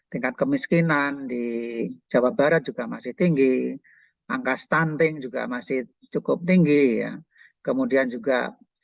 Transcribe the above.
tingkat kemiskinan di jawa barat juga masih tinggi angka stunting juga masih cukup tinggi ya kemudian juga